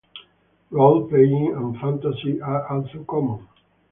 Role playing and fantasy are also common.